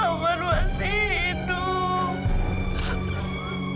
tuhan masih hidup